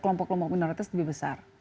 kelompok kelompok minoritas lebih besar